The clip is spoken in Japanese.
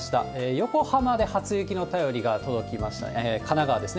横浜で初雪の便りが届きました、神奈川ですね。